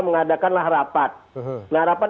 mengadakanlah rapat nah rapat